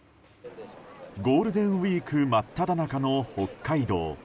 ゴールデンウィーク真っただ中の北海道。